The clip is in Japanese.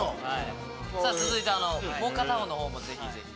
続いてもう片方の方もぜひぜひ。